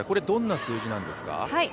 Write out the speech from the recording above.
どんな数字なんですか。